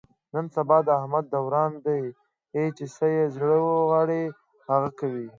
نن سبا د احمد دوران دی، چې څه یې زړه و غواړي هغه کوي.